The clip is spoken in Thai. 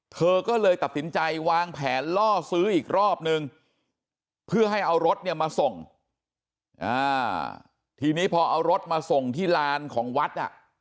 เธอก็เลยตัดสินใจวางแผนล่อซื้ออีกรอบนึงเพื่อให้เอารถเนี่ยมาส่งทีนี้พอเอารถมาส่งที่ลานของวัดน่ะ